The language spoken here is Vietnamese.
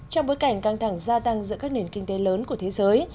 trong bối cảnh căng thẳng gia tăng giữa các nền kinh tế lớn của thế giới